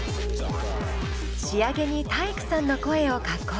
仕上げに体育さんの声を加工。